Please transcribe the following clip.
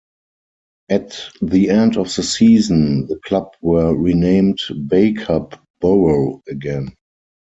At the end of the season the club were renamed Bacup Borough again.